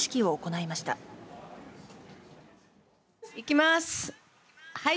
いきます。